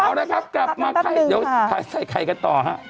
เอาละครับกลับมาใส่ไข่กันต่อ